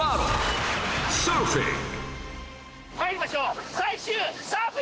まいりましょう！